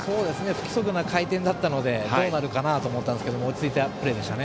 不規則な回転だったのでどうなるかなと思ったんですが落ち着いたプレーでした。